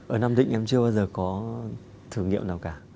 ở nam định em chưa bao giờ có thử nghiệm nào cả